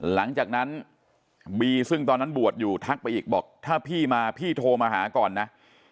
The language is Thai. หลังจากนั้นบีซึ่งตอนนั้นบวชอยู่ทักไปอีกบอกถ้าพี่มาพี่โทรมาหาก่อนนะ